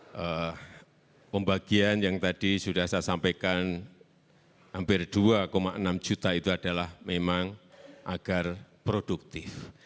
jadi pembagian yang tadi sudah saya sampaikan hampir dua enam juta itu adalah memang agar produktif